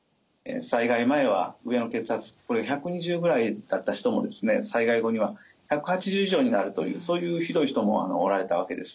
災害前は上の血圧１２０ぐらいだった人も災害後には１８０以上になるというそういうひどい人もおられたわけです。